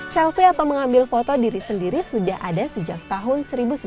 selfie atau mengambil foto diri sendiri sudah ada sejak tahun seribu sembilan ratus sembilan puluh